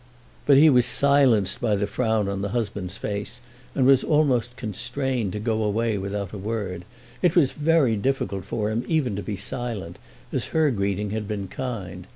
But he was silenced by the frown on the husband's face, and was almost constrained to go away without a word. It was very difficult for him even to be silent, as her greeting had been kind.